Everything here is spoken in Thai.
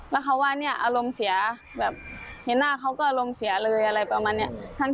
แล้วเขาว่าเนี่ยอารมณ์เสียแบบเห็นหน้าเขาก็อารมณ์เสียเลยอะไรประมาณนี้